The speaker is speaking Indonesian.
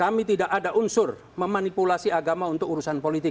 kami tidak ada unsur memanipulasi agama untuk urusan politik